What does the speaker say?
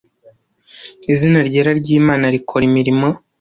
Izina ryera ry'Imana rikora imirimo